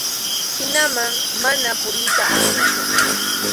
Hinaman mana puriyta atinchu.